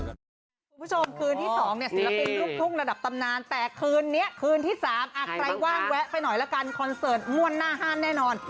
คุณผู้ชมคืนที่๒ศิลปินลูกทุ่งระดับตำนาน